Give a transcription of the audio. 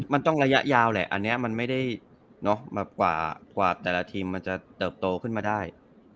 มันต้องระยะยาวแหละอันนี้มันไม่ได้กว่าแต่ละทีมมันจะเติบโตขึ้นมาได้